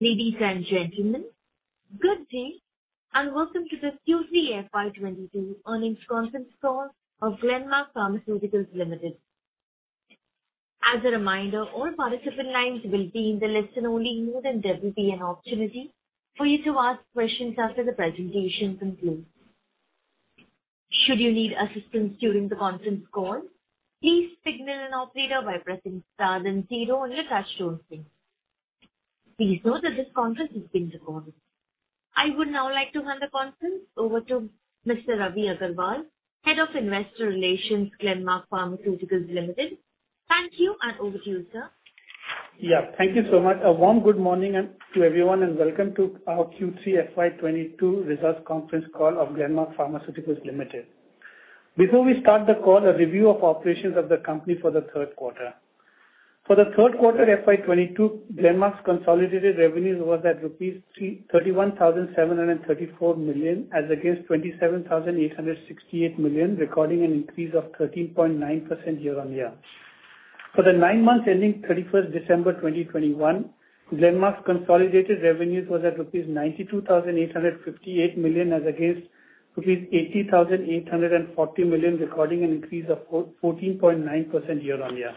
Ladies and gentlemen, good day, and Welcome to this Q3 FY 2022 Earnings Conference call of Glenmark Pharmaceuticals Limited. As a reminder, all participant lines will be in the listen-only mode, and there will be an opportunity for you to ask questions after the presentation concludes. Should you need assistance during the conference call, please signal an operator by pressing star then zero and we'll join you. Please note that this conference is being recorded. I would now like to hand the conference over to Mr. Ravi Agrawal, Head of Investor Relations, Glenmark Pharmaceuticals Limited. Thank you, and over to you, sir. Thank you so much. A warm good morning to everyone and welcome to our Q3 FY 2022 Results Conference call of Glenmark Pharmaceuticals Limited. Before we start the call, a review of operations of the company for the third quarter. For the third quarter FY 2022, Glenmark's consolidated revenues was at INR 31,734 million as against 27,868 million, recording an increase of 13.9% year-on-year. For the nine months ending December 31, 2021, Glenmark's consolidated revenues was at INR 92,858 million as against INR 80,840 million, recording an increase of 14.9% year-on-year.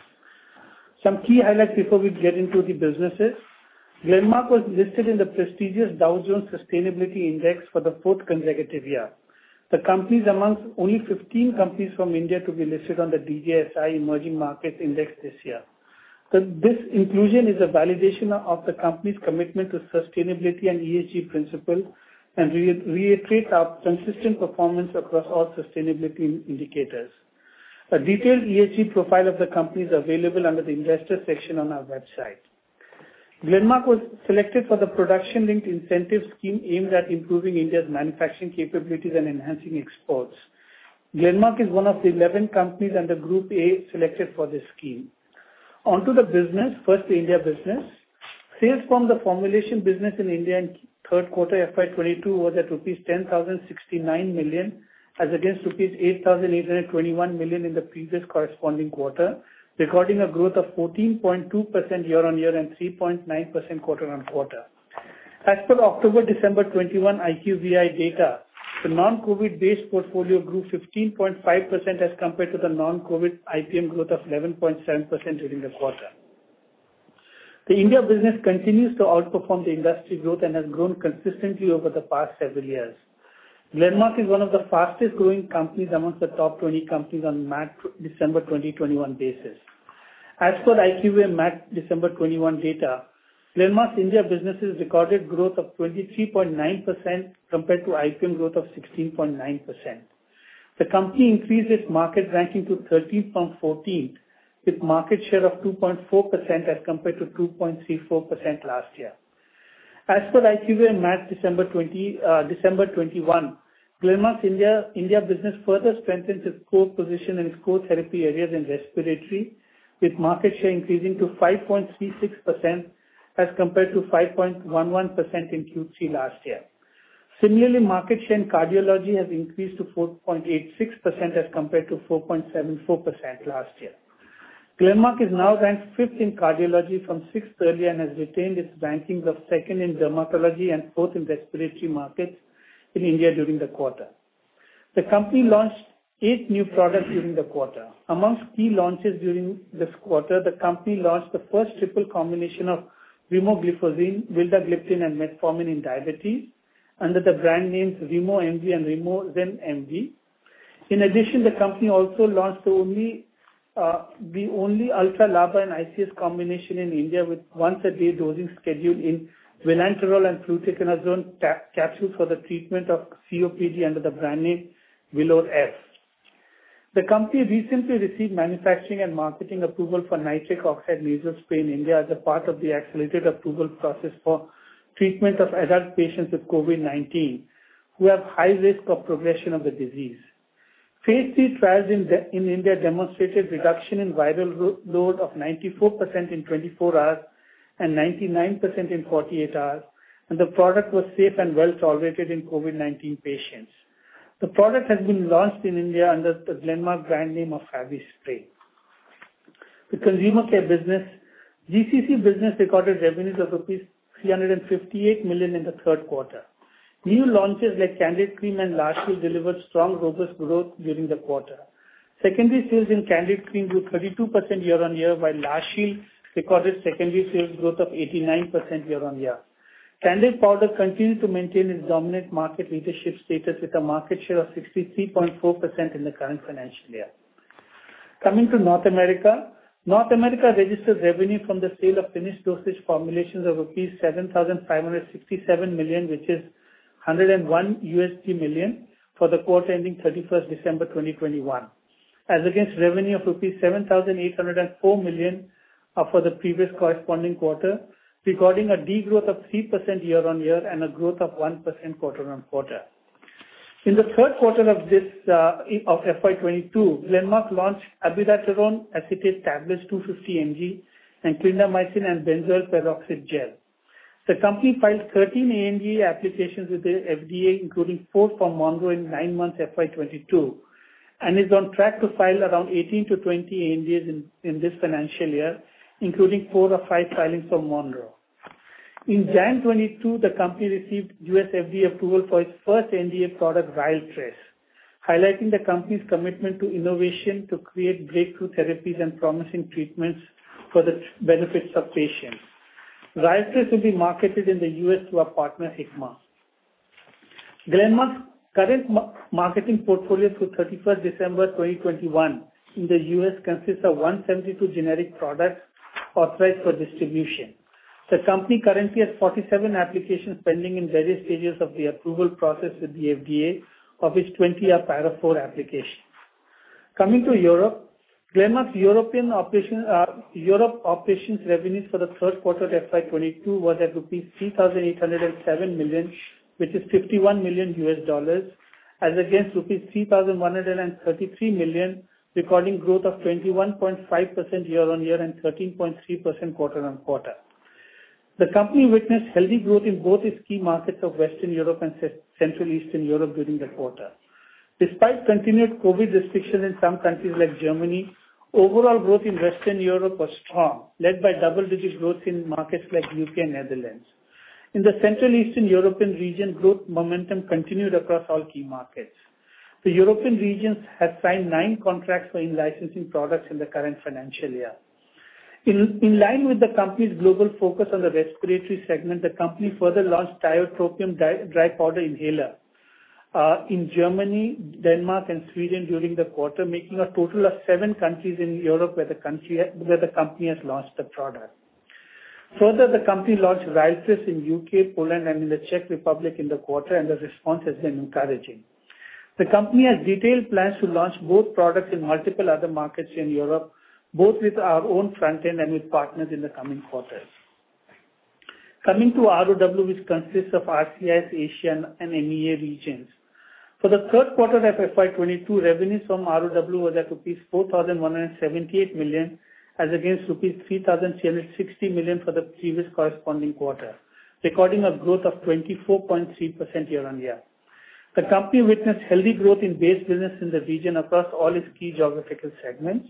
Some key highlights before we get into the businesses. Glenmark was listed in the prestigious Dow Jones Sustainability Index for the fourth consecutive year. The company is among only 15 companies from India to be listed on the DJSI Emerging Market Index this year. This inclusion is a validation of the company's commitment to sustainability and ESG principles and reiterates our consistent performance across all sustainability indicators. A detailed ESG profile of the company is available under the investor section on our website. Glenmark was selected for the Production-Linked Incentive scheme aimed at improving India's manufacturing capabilities and enhancing exports. Glenmark is one of the 11 companies under Group A selected for this scheme. Onto the business. First, the India business. Sales from the formulation business in India in third quarter FY 2022 was at rupees 10,069 million, as against rupees 8,821 million in the previous corresponding quarter, recording a growth of 14.2% year-on-year and 3.9% quarter-on-quarter. As per October-December 2021 IQVIA data, the non-COVID base portfolio grew 15.5% as compared to the non-COVID IPM growth of 11.7% during the quarter. The India business continues to outperform the industry growth and has grown consistently over the past several years. Glenmark is one of the fastest-growing companies amongst the top 20 companies on March-December 2021 basis. As per IQVIA March-December 2021 data, Glenmark's India businesses recorded growth of 23.9% compared to IPM growth of 16.9%. The company increased its market ranking to 13th from 14th, with market share of 2.4% as compared to 2.34% last year. As per IQVIA March, December 2021, Glenmark's India business further strengthens its core position in its core therapy areas in respiratory, with market share increasing to 5.36% as compared to 5.11% in Q3 last year. Similarly, market share in cardiology has increased to 4.86% as compared to 4.74% last year. Glenmark is now ranked fifth in cardiology from sixth earlier and has retained its rankings of second in dermatology and fourth in respiratory markets in India during the quarter. The company launched eight new products during the quarter. Amongst key launches during this quarter, the company launched the first triple combination of remogliflozin, vildagliptin, and metformin in diabetes under the brand names Remo MV and Remozen MV. In addition, the company also launched the only ultra-long acting ICS combination in India with once-a-day dosing schedule in vilanterol and fluticasone capsules for the treatment of COPD under the brand name Vilor. The company recently received manufacturing and marketing approval for nitric oxide nasal spray in India as a part of the accelerated approval process for treatment of adult patients with COVID-19 who have high-risk of progression of the disease. Phase III trials in India demonstrated reduction in viral load of 94% in 24 hours and 99% in 48 hours, and the product was safe and well-tolerated in COVID-19 patients. The product has been launched in India under the Glenmark brand name of FabiSpray. The consumer care business, GCC business, recorded revenues of INR 358 million in the third quarter. New launches like Candid Cream and La Shield delivered strong robust growth during the quarter. Secondary sales in Candid Cream grew 32% year-on-year, while La Shield recorded secondary sales growth of 89% year-on-year. Candid Powder continued to maintain its dominant market leadership status with a market share of 63.4% in the current financial year. Coming to North America, North America registered revenue from the sale of finished dosage formulations of rupees 7,567 million, which is $101 million, for the quarter ending 31st December 2021, as against revenue of rupees 7,804 million for the previous corresponding quarter, recording a degrowth of 3% year-on-year and a growth of 1% quarter-on-quarter. In the third quarter of this, of FY 2022, Glenmark launched abiraterone acetate tablets 250 mg and clindamycin and benzoyl peroxide gel. The company filed 13 ANDA applications with the FDA, including four from Monroe in nine months FY 2022. It is on track to file around 18-20 NDAs in this financial year, including four or five filings from Monroe. In January 2022, the company received U.S. FDA approval for its first NDA product, RYALTRIS, highlighting the company's commitment to innovation to create breakthrough therapies and promising treatments for the benefits of patients. RYALTRIS will be marketed in the U.S. through our partner, Hikma. Glenmark's current marketing portfolio through December 31, 2021 in the U.S. consists of 172 generic products authorized for distribution. The company currently has 47 applications pending in various stages of the approval process with the FDA, of which 20 are Para IV applications. Coming to Europe, Glenmark's European operation, Europe operations revenues for the third quarter FY 2022 was at rupees 3,807 million, which is $51 million, as against rupees 3,133 million, recording growth of 21.5% year-on-year and 13.3% quarter-on-quarter. The company witnessed healthy growth in both its key markets of Western Europe and Central Eastern Europe during the quarter. Despite continued COVID restrictions in some countries like Germany, overall growth in Western Europe was strong, led by double-digit growth in markets like U.K. and Netherlands. In the Central Eastern European region, growth momentum continued across all key markets. The European regions have signed nine contracts for in-licensing products in the current financial year. In line with the company's global focus on the respiratory segment, the company further launched tiotropium dry powder inhaler in Germany, Denmark, and Sweden during the quarter, making a total of seven countries in Europe where the company has launched the product. Further, the company launched RYALTRIS in U.K., Poland and in the Czech Republic in the quarter, and the response has been encouraging. The company has detailed plans to launch both products in multiple other markets in Europe, both with our own front end and with partners in the coming quarters. Coming to ROW, which consists of RCS, Asia and MEA regions. For the third quarter of FY 2022, revenues from ROW were at rupees 4,178 million, as against rupees 3,360 million for the previous corresponding quarter, recording a growth of 24.3% year-on-year. The company witnessed healthy growth in base business in the region across all its key geographical segments.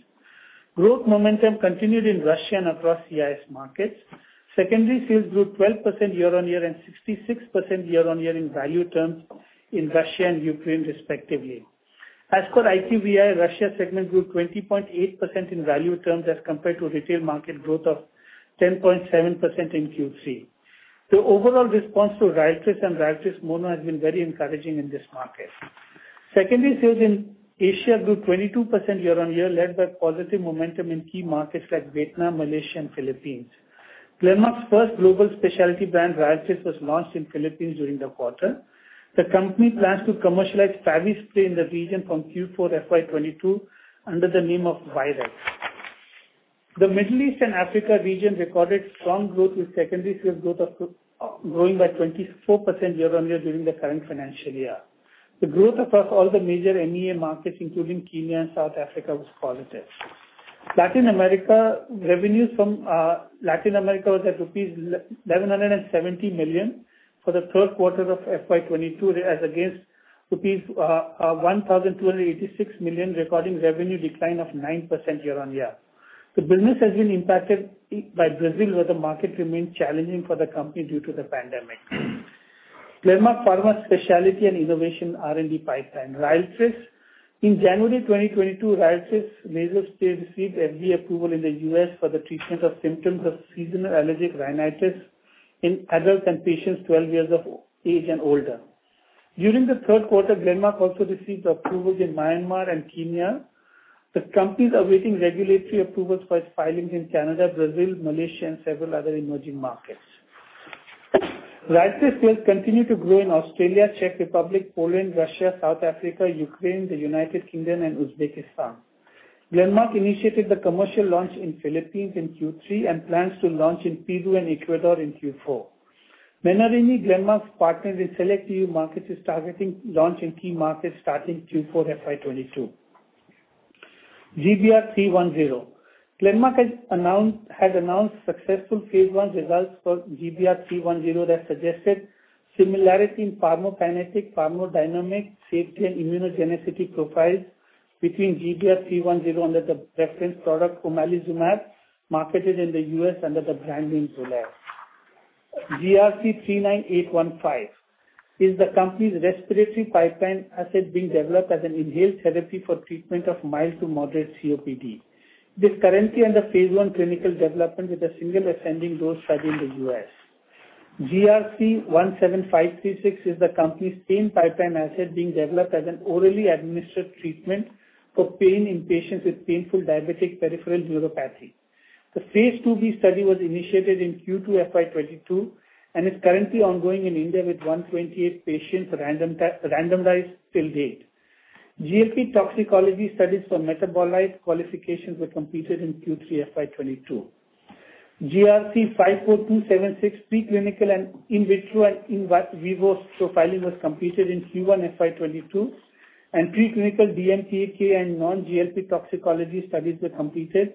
Growth momentum continued in Russia and across CIS markets. Secondary sales grew 12% year-on-year and 66% year-on-year in value terms in Russia and Ukraine respectively. As for IPM, Russia segment grew 20.8% in value terms as compared to retail market growth of 10.7% in Q3. The overall response to RYALTRIS and Ryaltris-Mono has been very encouraging in this market. Secondary sales in Asia grew 22% year-on-year, led by positive momentum in key markets like Vietnam, Malaysia, and Philippines. Glenmark's first global specialty brand, RYALTRIS, was launched in Philippines during the quarter. The company plans to commercialize travoprost in the region from Q4 FY 2022 under the name of Vylex. The Middle East and Africa region recorded strong growth with secondary sales growth of 24% year-on-year during the current financial year. The growth across all the major MEA markets, including Kenya and South Africa, was positive. Revenues from Latin America was at INR 1,170 million for the third quarter of FY 2022, as against INR 1,286 million, recording revenue decline of 9% year-on-year. The business has been impacted by Brazil, where the market remains challenging for the company due to the pandemic. Glenmark Pharmaceuticals Specialty and Innovation R&D pipeline. RYALTRIS. In January 2022, RYALTRIS nasal spray received FDA approval in the U.S. for the treatment of symptoms of seasonal allergic rhinitis in adults and patients 12 years of age and older. During the third quarter, Glenmark also received approvals in Myanmar and Kenya. The company's awaiting regulatory approvals for its filings in Canada, Brazil, Malaysia, and several other emerging markets. RYALTRIS sales continue to grow in Australia, Czech Republic, Poland, Russia, South Africa, Ukraine, the U.K., and Uzbekistan. Glenmark initiated the commercial launch in Philippines in Q3 and plans to launch in Peru and Ecuador in Q4. Menarini, Glenmark's partner in select EU markets, is targeting launch in key markets starting Q4 FY 2022. GBR 310. Glenmark had announced successful phase I results for GBR 310 that suggested similarity in pharmacokinetic, pharmacodynamic, safety and immunogenicity profiles between GBR 310 and the reference product omalizumab, marketed in the U.S. under the brand name Xolair. GRC-39815 is the company's respiratory pipeline asset being developed as an inhaled therapy for treatment of mild to moderate COPD. It is currently under phase I clinical development with a single ascending dose study in the U.S. GRC-17536 is the company's pain pipeline asset being developed as an orally administered treatment for pain in patients with painful diabetic peripheral neuropathy. The phase IIb study was initiated in Q2 FY 2022 and is currently ongoing in India with 128 patients randomized till date. GLP toxicology studies for metabolite qualifications were completed in Q3 FY 2022. GRC-54276 preclinical and in vitro and in vivo profiling was completed in Q1 FY 2022, and preclinical DMPK and non-GLP toxicology studies were completed,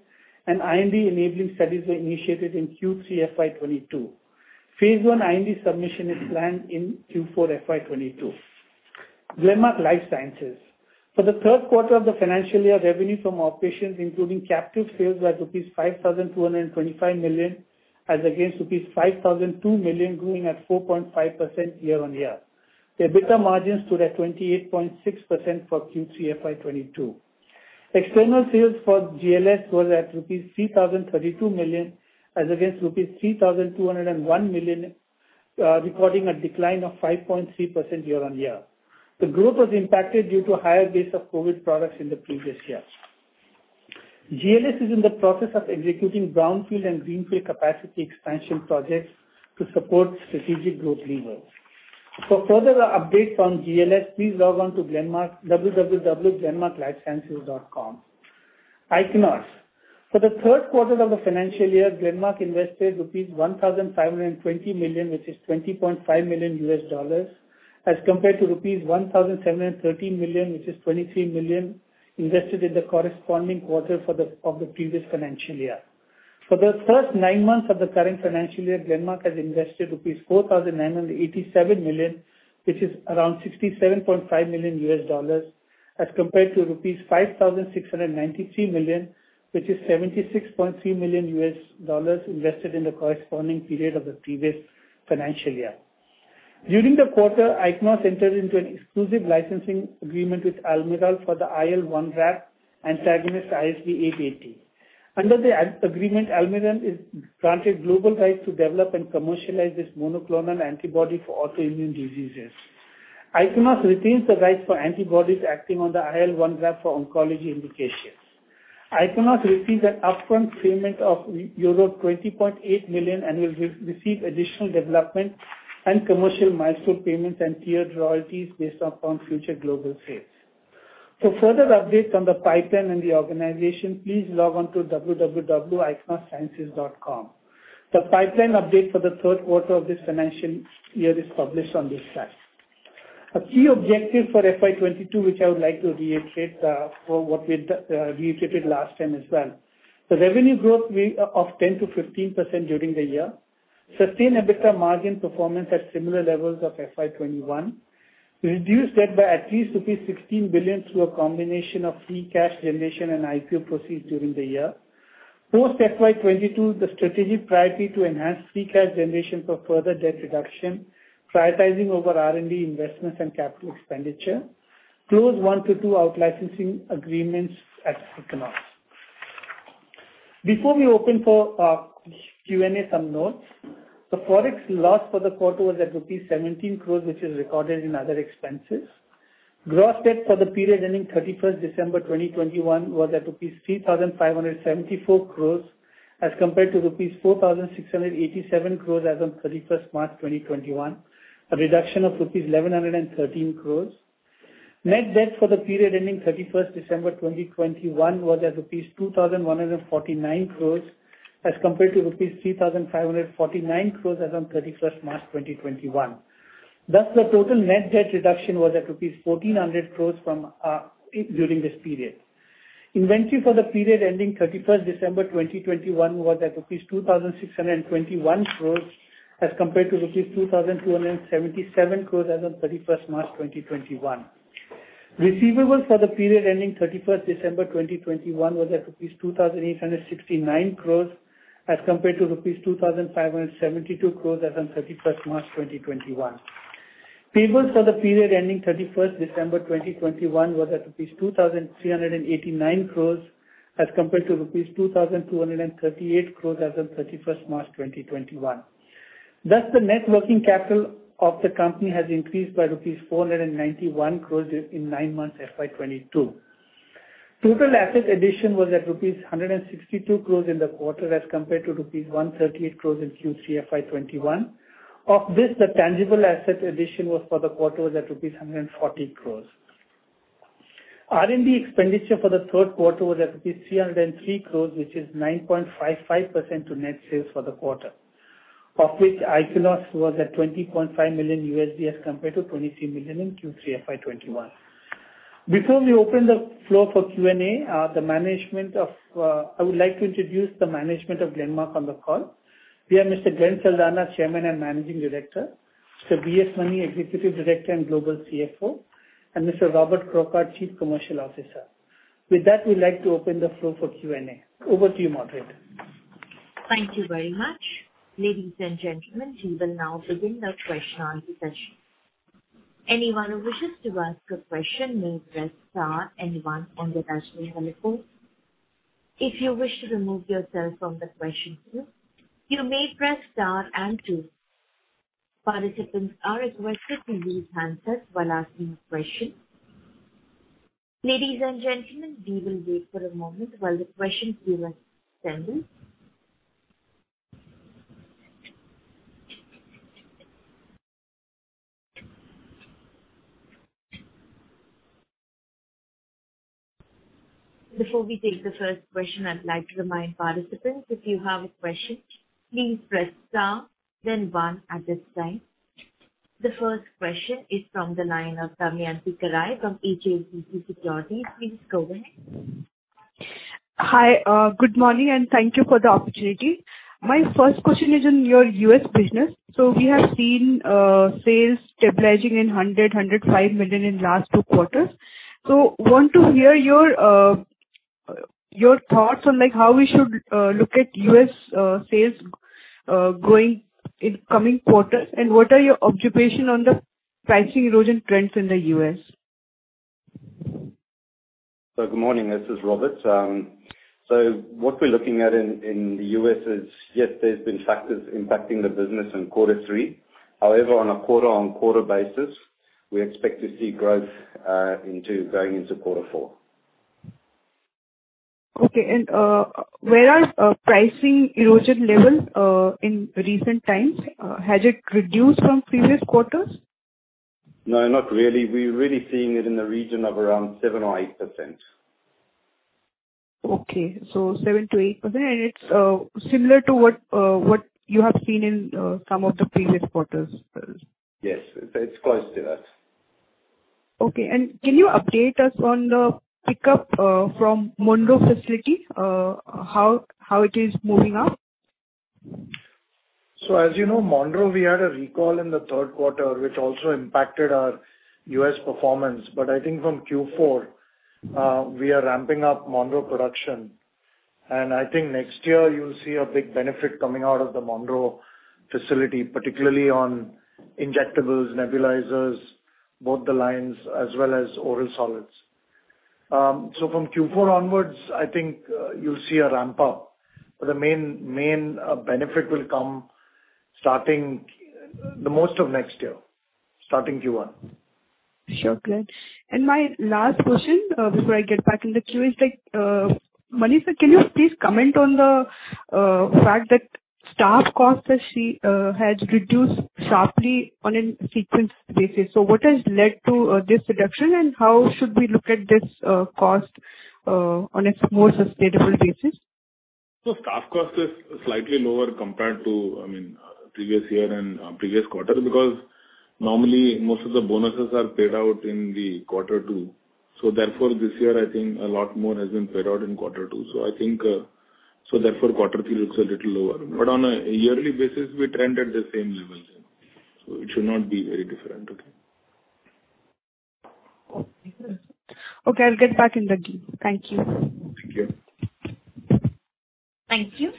and IND-enabling studies were initiated in Q3 FY 2022. Phase I IND submission is planned in Q4 FY 2022. Glenmark Life Sciences. For the third quarter of the financial year, revenue from operations including captive sales was rupees 5,225 million as against rupees 5,002 million, growing at 4.5% year-on-year. The EBITDA margins stood at 28.6% for Q3 FY 2022. External sales for GLS was at rupees 3,032 million as against rupees 3,201 million, recording a decline of 5.3% year-on-year. The group was impacted due to higher base of COVID products in the previous year. GLS is in the process of executing brownfield and greenfield capacity expansion projects to support strategic growth levers. For further updates on GLS, please log on to www.glenmarklifesciences.com. Ichnos. For the third quarter of the financial year, Glenmark invested rupees 1,520 million, which is $20.5 million, as compared to rupees 1,713 million, which is $23 million invested in the corresponding quarter of the previous financial year. For the first nine months of the current financial year, Glenmark has invested rupees 4,987 million, which is around $67.5 million, as compared to rupees 5,693 million, which is $76.3 million invested in the corresponding period of the previous financial year. During the quarter, Ichnos entered into an exclusive licensing agreement with Almirall for the IL-1RAP antagonist ISB 880. Under the agreement, Almirall is granted global rights to develop and commercialize this monoclonal antibody for autoimmune diseases. Ichnos retains the rights for antibodies acting on the IL-1RAP for oncology indications. Ichnos received an upfront payment of euro 20.8 million and will receive additional development and commercial milestone payments and tiered royalties based upon future global sales. For further updates on the pipeline and the organization, please log on to www.ichnossciences.com. The pipeline update for the third quarter of this financial year is published on this slide. A key objective for FY 2022, which I would like to reiterate, for what we'd reiterated last time as well. The revenue growth of 10%-15% during the year. Sustain EBITDA margin performance at similar levels of FY 2021. Reduce debt by at least rupees 16 billion through a combination of free cash generation and IPO proceeds during the year. Post FY 2022, the strategic priority to enhance free cash generation for further debt reduction, prioritizing over R&D investments and capital expenditure. Close one to two out-licensing agreements at Ichnos. Before we open for Q&A, some notes. The Forex loss for the quarter was at rupees 17 crore, which is recorded in other expenses. Gross debt for the period ending December 31, 2021 was at rupees 3,574 crore as compared to rupees 4,687 crore as on March 31, 2021. A reduction of rupees 1,113 crore. Net debt for the period ending 31st December 2021 was at rupees 2,149 crore as compared to rupees 3,549 crore as on 31st March 2021. Thus, the total net debt reduction was at rupees 1,400 crore from during this period. Inventory for the period ending 31st December 2021 was at rupees 2,621 crore as compared to rupees 2,277 crore as on 31st March 2021. Receivables for the period ending 31st December 2021 was at rupees 2,869 crore as compared to rupees 2,572 crore as on 31st March 2021. Payables for the period ending 31st December 2021 was at rupees 2,389 crore as compared to rupees 2,238 crore as on 31st March 2021. Thus, the net working capital of the company has increased by rupees 491 crore in nine months FY 2022. Total asset addition was at rupees 162 crore in the quarter as compared to rupees 138 crore in Q3 FY 2021. Of this, the tangible asset addition was for the quarter was at rupees 140 crore. R&D expenditure for the third quarter was at rupees 303 crore, which is 9.55% to net sales for the quarter, of which Ichnos was at $20.5 million as compared to $23 million in Q3 FY 2021. Before we open the floor for Q&A, I would like to introduce the management of Glenmark on the call. We have Mr. Glenn Saldanha, Chairman and Managing Director, Mr. V.S. Mani, Executive Director and Global CFO, and Mr. Robert Crockart, Chief Commercial Officer. With that, we'd like to open the floor for Q&A. Over to you, moderator. Thank you very much. Ladies and gentlemen, we will now begin the question and answer session. Anyone who wishes to ask a question may press star and one on your touchtone telephone. If you wish to remove yourself from the question queue, you may press star and two. Participants are requested to use handsets while asking a question. Ladies and gentlemen, we will wait for a moment while the question queue is assembled. Before we take the first question, I'd like to remind participants, if you have a question, please press star then one at this time. The first question is from the line of Damayanti Kerai from HSBC Securities. Please go ahead. Hi, good morning, and thank you for the opportunity. My first question is on your U.S. business. We have seen sales stabilizing in $105 million in last two quarters. Want to hear your thoughts on like how we should look at U.S. sales going in coming quarters, and what are your observation on the pricing erosion trends in the U.S.? Good morning. This is Robert. What we're looking at in the U.S. is, yes, there's been factors impacting the business in quarter three. However, on a quarter-on-quarter basis, we expect to see growth going into quarter four. Okay. Where are pricing erosion levels in recent times? Has it reduced from previous quarters? No, not really. We're really seeing it in the region of around 7% or 8%. Okay. 7%-8%, and it's similar to what you have seen in some of the previous quarters? Yes. It's close to that. Okay. Can you update us on the pickup from Monroe facility, how it is moving up? As you know, Monroe, we had a recall in the third quarter, which also impacted our U.S. performance. I think from Q4, we are ramping up Monroe production. I think next year you'll see a big benefit coming out of the Monroe facility, particularly on injectables, nebulizers, both the lines, as well as oral solids. From Q4 onwards, I think, you'll see a ramp up. The main benefit will come starting the most of next year, starting Q1. Sure. Great. My last question before I get back in the queue is V.S. Mani, can you please comment on the fact that staff costs has reduced sharply on a sequential basis. What has led to this reduction, and how should we look at this cost on a more sustainable basis? Staff cost is slightly lower compared to, I mean, previous year and previous quarter because normally most of the bonuses are paid out in the quarter two. Therefore this year, I think a lot more has been paid out in quarter two. I think quarter three looks a little lower. On a yearly basis, we trend at the same level, so it should not be very different. Okay. Okay, I'll get back in the queue. Thank you. Thank you. Thank you.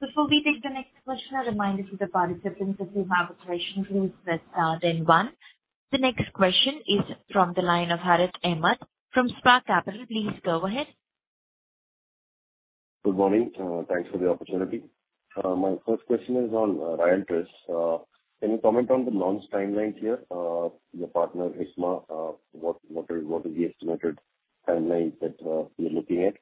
Before we take the next question, a reminder to the participants. The next question is from the line of Harith Ahamed from Spark Capital. Please go ahead. Good morning. Thanks for the opportunity. My first question is on RYALTRIS. Can you comment on the launch timelines here? Your partner Hikma, what is the estimated timeline that we're looking at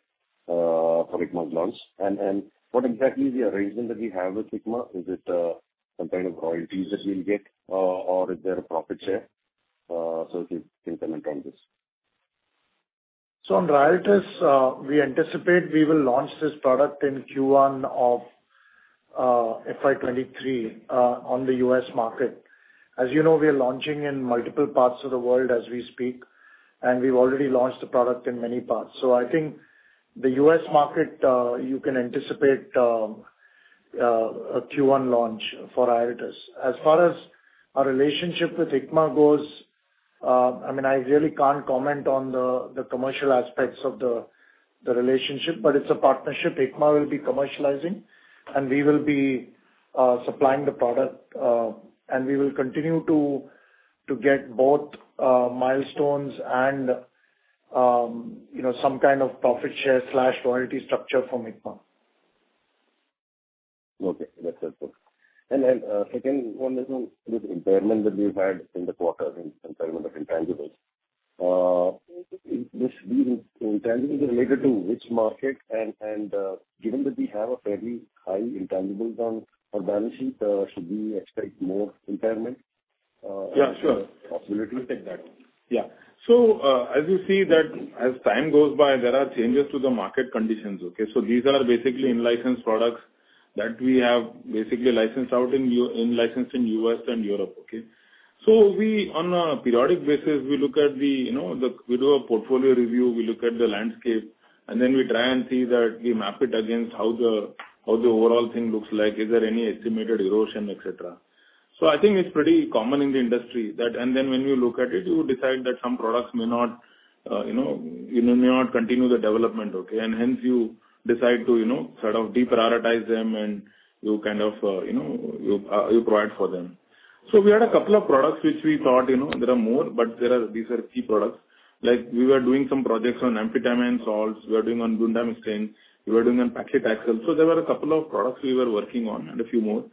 for Hikma's launch? And what exactly is the arrangement that we have with Hikma? Is it some kind of royalties that we'll get or is there a profit share? If you can comment on this. On RYALTRIS, we anticipate we will launch this product in Q1 of FY 2023 on the U.S. market. As you know, we are launching in multiple parts of the world as we speak, and we've already launched the product in many parts. I think the U.S. market, you can anticipate a Q1 launch for RYALTRIS. As far as our relationship with Hikma goes, I mean, I really can't comment on the commercial aspects of the relationship, but it's a partnership. Hikma will be commercializing, and we will be supplying the product, and we will continue to get both milestones and, you know, some kind of profit share/royalty structure from Hikma. Okay. That's helpful. Second one is on this impairment that we've had in the quarter, impairment of intangibles. These intangibles are related to which market and, given that we have a fairly high intangibles on our balance sheet, should we expect more impairment? Yeah, sure. -possibility? We'll take that. Yeah. As you see that as time goes by, there are changes to the market conditions. Okay. These are basically in-licensed products that we have basically licensed out in U.S. and Europe. Okay. We on a periodic basis look at the, you know. We do a portfolio review, we look at the landscape, and then we try and see that we map it against how the overall thing looks like, is there any estimated erosion, et cetera. I think it's pretty common in the industry that when you look at it, you decide that some products may not, you know, continue the development. Okay. Hence you decide to, you know, sort of deprioritize them, and you kind of, you know, you provide for them. We had a couple of products which we thought, you know, there are more, but there are these key products. Like, we were doing some projects on amphetamine salts, we were doing on bendamustine, we were doing on paclitaxel. There were a couple of products we were working on and a few more.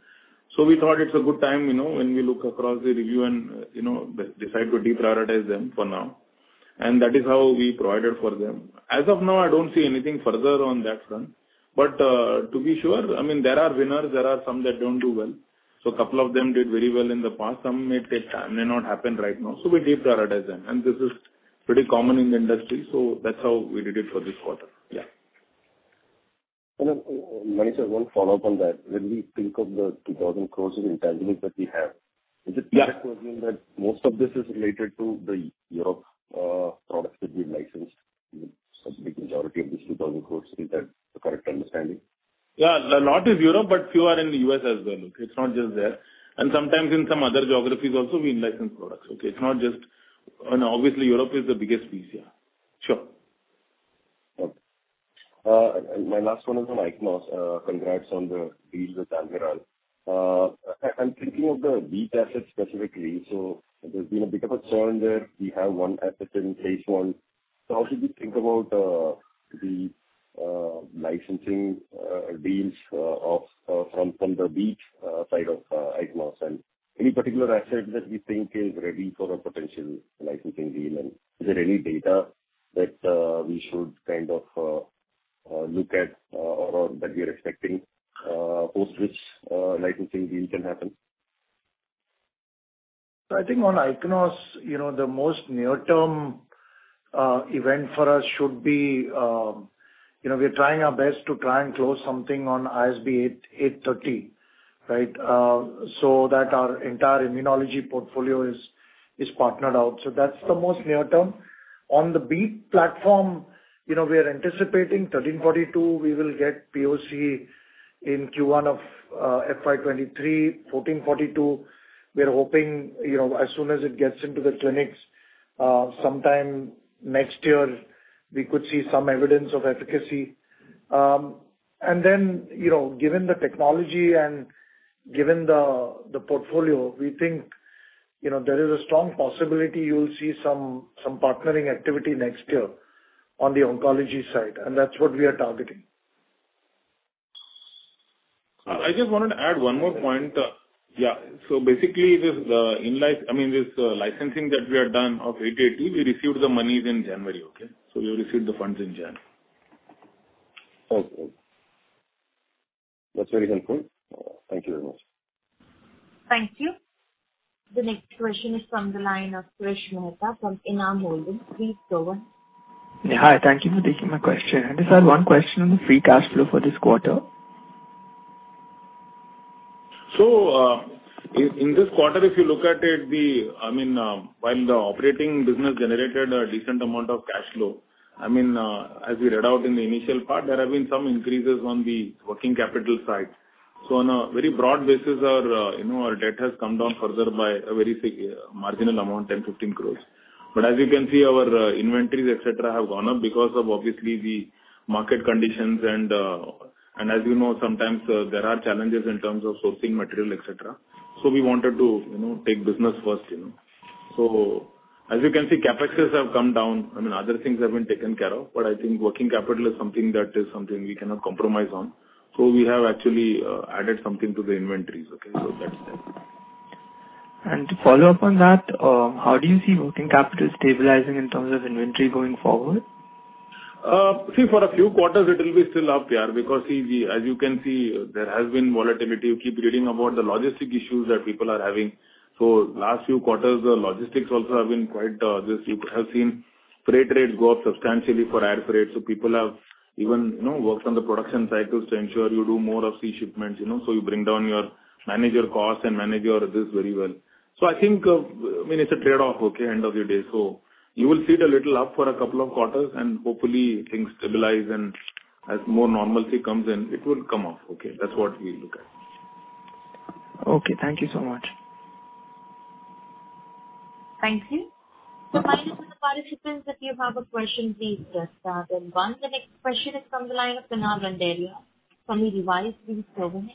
We thought it's a good time, you know, when we look across the review and, you know, decide to deprioritize them for now. That is how we provided for them. As of now, I don't see anything further on that front. To be sure, I mean, there are winners, there are some that don't do well. A couple of them did very well in the past. Some may take time, may not happen right now, so we deprioritize them. This is pretty common in the industry, so that's how we did it for this quarter. Yeah. V.S. Mani, I have one follow-up on that. When we think of the 2,000 crore in intangibles that we have, is it- Yeah. Is it fair to assume that most of this is related to the European products that we've licensed, you know, majority of this 2,000 crore. Is that the correct understanding? Yeah. A lot is Europe, but few are in the U.S. as well. It's not just there. Sometimes in some other geographies also we license products, okay? It's not just. Obviously, Europe is the biggest piece, yeah. Sure. Okay. My last one is on Ichnos. Congrats on the deal with Almirall. I'm thinking of the BEAT asset specifically. There's been a bit of a churn there. We have one asset in phase I. How should we think about the licensing deals from the BEAT side of Ichnos? Any particular asset that we think is ready for a potential licensing deal, and is there any data that we should kind of look at or that we are expecting post which licensing deal can happen? I think on Ichnos, you know, the most near-term event for us should be, you know, we are trying our best to try and close something on ISB 830, right? So that our entire immunology portfolio is partnered out. That's the most near term. On the BEAT platform, you know, we are anticipating ISB 1342, we will get POC in Q1 of FY 2023. ISB 1442, we are hoping, you know, as soon as it gets into the clinics, sometime next year, we could see some evidence of efficacy. And then, you know, given the technology and given the portfolio, we think, you know, there is a strong possibility you'll see some partnering activity next year on the oncology side, and that's what we are targeting. I just wanted to add one more point. Yeah. Basically this, I mean, this licensing that we have done of 880, we received the monies in January, okay? We received the funds in January. Okay. That's very helpful. Thank you very much. Thank you. The next question is from the line of Krish Mehta from Enam Holdings. Please go on. Yeah. Hi. Thank you for taking my question. I just had one question on the free cash flow for this quarter. In this quarter, if you look at it, I mean, while the operating business generated a decent amount of cash flow, I mean, as we read out in the initial part, there have been some increases on the working capital side. On a very broad basis, our, you know, our debt has come down further by a very marginal amount, 10 crore-15 crore. As you can see, our inventories, et cetera, have gone up because of obviously the market conditions. As you know, sometimes there are challenges in terms of sourcing material, et cetera. We wanted to, you know, take business first, you know. As you can see, CapExes have come down. I mean, other things have been taken care of, but I think working capital is something we cannot compromise on. We have actually added something to the inventories, okay? That's that. To follow up on that, how do you see working capital stabilizing in terms of inventory going forward? For a few quarters it will be still up, yeah, because, as you can see, there has been volatility. You keep reading about the logistics issues that people are having. Last few quarters, the logistics also have been quite. You could have seen freight rates go up substantially for air freight, so people have even, you know, worked on the production cycles to ensure you do more of sea shipments, you know, so you bring down your costs and manage your costs very well. I think, I mean, it's a trade-off, okay, end of the day. You will see it a little up for a couple of quarters, and hopefully things stabilize and as more normalcy comes in, it will come off. Okay. That's what we look at. Okay. Thank you so much. Thank you. Kindly to the participants, if you have a question, please press star then one. The next question is from the line of Tanav Randeria from Rewire. Please go ahead.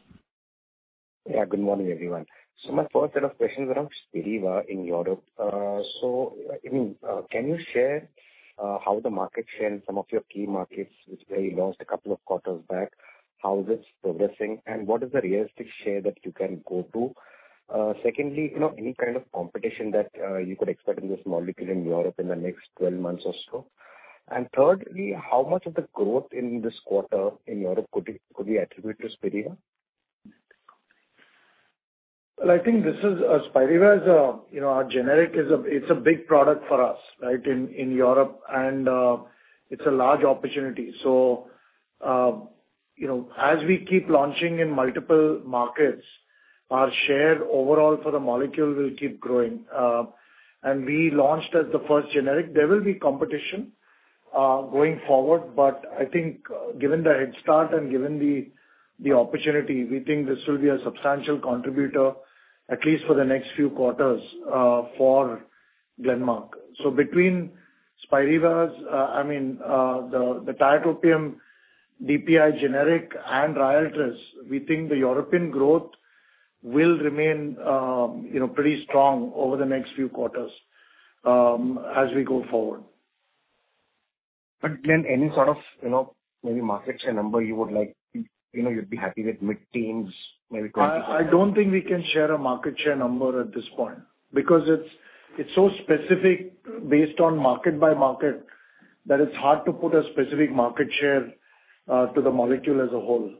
Yeah, good morning, everyone. My first set of questions are on Spiriva in Europe. Can you share how the market share in some of your key markets which may have lost a couple of quarters back, how is it progressing, and what is the realistic share that you can go to? Secondly, any kind of competition that you could expect in this molecule in Europe in the next 12 months or so. Thirdly, how much of the growth in this quarter in Europe could we attribute to Spiriva? Well, I think this is Spiriva, you know, our generic is a big product for us, right, in Europe and it's a large opportunity. You know, as we keep launching in multiple markets, our share overall for the molecule will keep growing. We launched as the first generic. There will be competition going forward. I think given the head start and given the opportunity, we think this will be a substantial contributor, at least for the next few quarters, for Glenmark. Between Spiriva, I mean, the tiotropium DPI generic and Ryaltris, we think the European growth will remain, you know, pretty strong over the next few quarters, as we go forward. any sort of, you know, maybe market share number you would like, you know, you'd be happy with mid-teens, maybe 20%. I don't think we can share a market share number at this point because it's so specific based on market by market, that it's hard to put a specific market share to the molecule as a whole.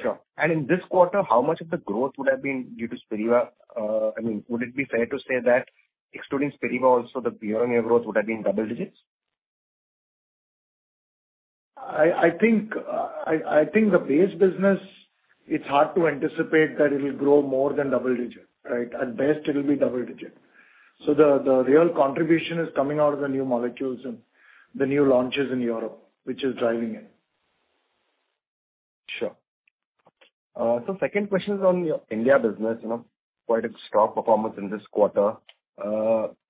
Sure. In this quarter, how much of the growth would have been due to Spiriva? I mean, would it be fair to say that excluding Spiriva also, the pure growth would have been double digits? I think the base business, it's hard to anticipate that it'll grow more than double-digit, right? At best, it'll be double-digit. The real contribution is coming out of the new molecules and the new launches in Europe, which is driving it. Sure. Second question is on your India business. You know, quite a strong performance in this quarter.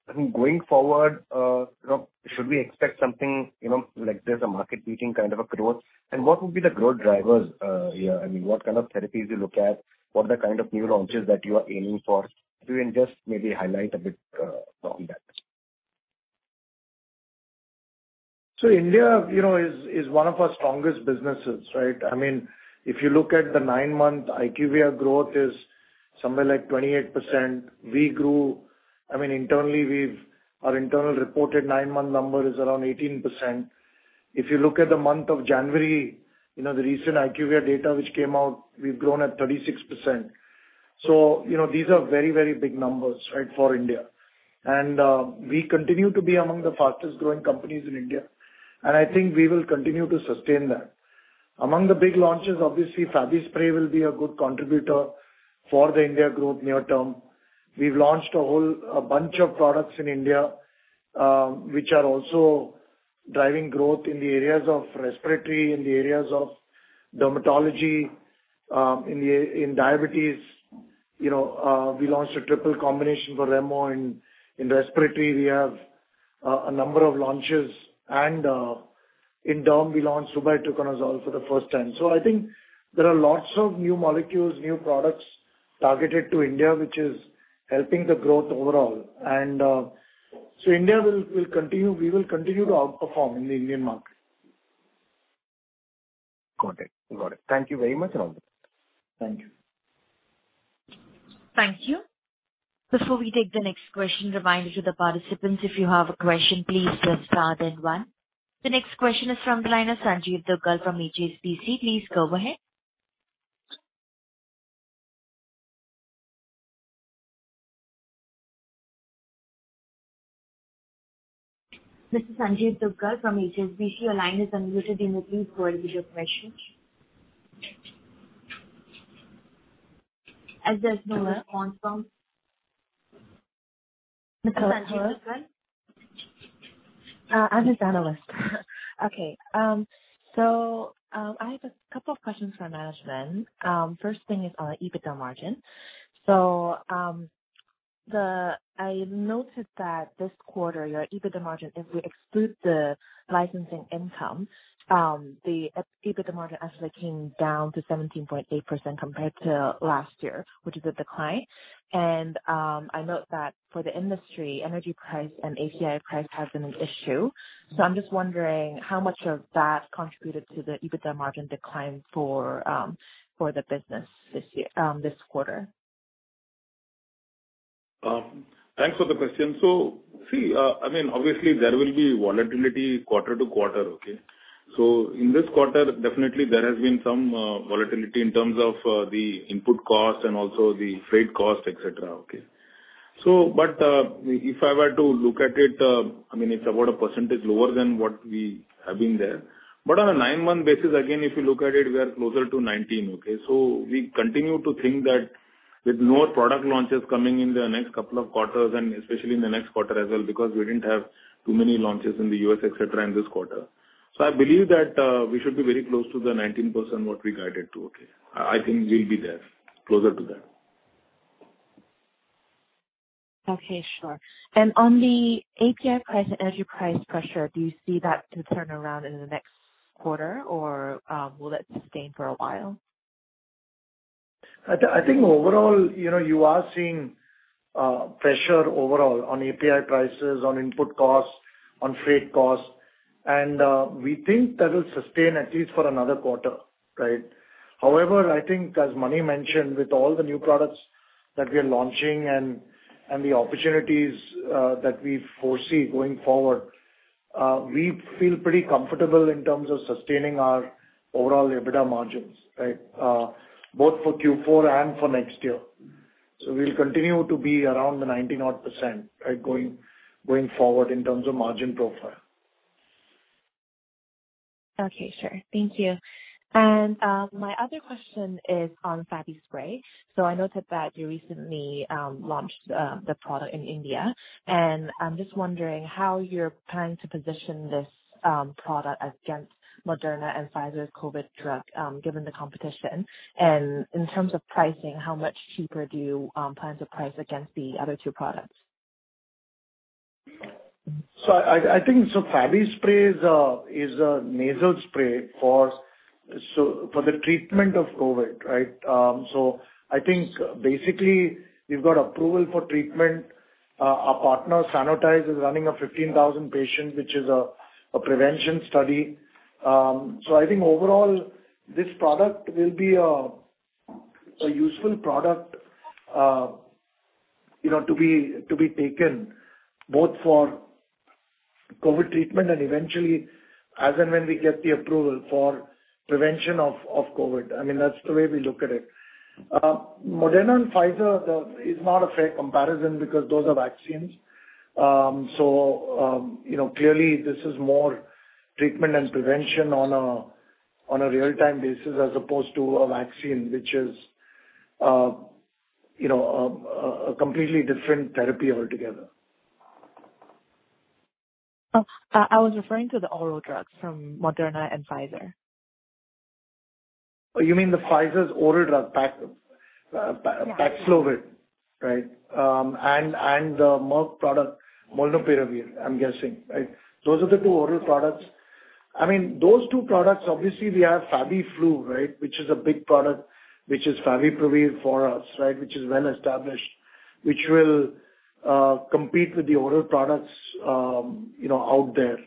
I think going forward, you know, should we expect something, you know, like there's a market-leading kind of a growth, and what would be the growth drivers, here? I mean, what kind of therapies you look at? What are the kind of new launches that you are aiming for? If you can just maybe highlight a bit on that. India, you know, is one of our strongest businesses, right? I mean, if you look at the nine-month IQVIA growth is somewhere like 28%. I mean, internally we've our internal reported nine-month number is around 18%. If you look at the month of January, you know, the recent IQVIA data which came out, we've grown at 36%. You know, these are very, very big numbers, right? For India. We continue to be among the fastest growing companies in India, and I think we will continue to sustain that. Among the big launches, obviously, FabiSpray will be a good contributor for the India growth near term. We've launched a whole, a bunch of products in India, which are also driving growth in the areas of respiratory, in the areas of dermatology, in diabetes. You know, we launched a triple combination for Remo. In respiratory, we have a number of launches. In derm we launched Luliconazole for the first time. I think there are lots of new molecules, new products targeted to India, which is helping the growth overall. India will continue—we will continue to outperform in the Indian market. Got it. Thank you very much, Rahul. Thank you. Thank you. Before we take the next question, reminder to the participants, if you have a question, please press star then one. The next question is from the line of Sanjiv Duggal from HSBC. Please go ahead. Mr. Sanjiv Duggal from HSBC, your line is unmuted. You may proceed with your question. As there's no response from- Hello. Mr. Sanjiv Duggal. I'm his analyst. I have a couple of questions for management. First thing is on EBITDA margin. I noted that this quarter, your EBITDA margin, if we exclude the licensing income, the EBITDA margin actually came down to 17.8% compared to last year, which is a decline. I note that for the industry, energy price and API price has been an issue. I'm just wondering how much of that contributed to the EBITDA margin decline for the business this year, this quarter. Thanks for the question. I mean obviously there will be volatility quarter to quarter. Okay? In this quarter, definitely there has been some volatility in terms of the input cost and also the freight cost, etc. Okay? If I were to look at it, I mean it's about a percentage lower than what we have been there. On a nine-month basis, again, if you look at it, we are closer to 19. Okay? We continue to think that with more product launches coming in the next couple of quarters and especially in the next quarter as well, because we didn't have too many launches in the U.S., etc., in this quarter. I believe that we should be very close to the 19% what we guided to. Okay? I think we'll be there, closer to that. Okay, sure. On the API price and energy price pressure, do you see that to turn around in the next quarter or will that sustain for a while? I think overall, you know, you are seeing pressure overall on API prices, on input costs, on freight costs, and we think that will sustain at least for another quarter, right? However, I think as Mani mentioned, with all the new products that we are launching and the opportunities that we foresee going forward, we feel pretty comfortable in terms of sustaining our overall EBITDA margins, right? Both for Q4 and for next year. We'll continue to be around the 90%-odd, right, going forward in terms of margin profile. Okay, sure. Thank you. My other question is on FabiSpray. I noted that you recently launched the product in India, and I'm just wondering how you're planning to position this product against Moderna and Pfizer's COVID drug, given the competition. In terms of pricing, how much cheaper do you plan to price against the other two products? I think FabiSpray is a nasal spray for the treatment of COVID, right? I think basically we've got approval for treatment. Our partner, SaNOtize, is running a 15,000-patient prevention study. I think overall this product will be a useful product, you know, to be taken both for COVID treatment, and eventually as and when we get the approval for prevention of COVID. I mean, that's the way we look at it. Moderna and Pfizer are not a fair comparison because those are vaccines. You know, clearly this is more treatment and prevention on a real-time basis as opposed to a vaccine, which is a completely different therapy altogether. I was referring to the oral drugs from Moderna and Pfizer. Oh, you mean the Pfizer's oral drug Paxlovid, right? Yes. the Merck product, molnupiravir, I'm guessing, right? Those are the two oral products. I mean, those two products, obviously we have FabiFlu, right, which is a big product, which is favipiravir for us, right, which is well-established, which will compete with the oral products, you know, out there.